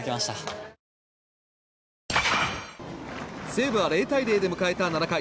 西武は０対０で迎えた７回。